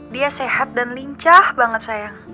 dia sehat dan lincah banget sayang